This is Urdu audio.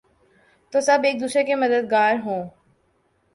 تو سب ایک دوسرے کے مددگار ہوں۔